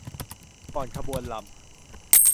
ก่อนขบวนรำ